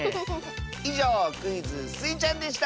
いじょうクイズ「スイちゃん」でした！